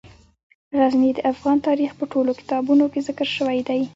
غزني د افغان تاریخ په ټولو کتابونو کې ذکر شوی دی.